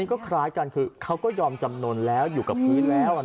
ก็คล้ายกันคือเขาก็ยอมจำนวนแล้วอยู่กับพื้นแล้ว